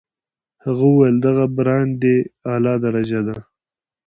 هغه وویل دغه برانډې اعلی درجه ده.